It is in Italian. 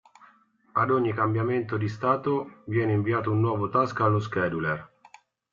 Ad ogni cambiamento di stato viene inviato un nuovo task allo scheduler.